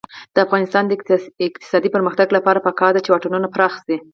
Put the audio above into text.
د افغانستان د اقتصادي پرمختګ لپاره پکار ده چې واټونه پراخ شي.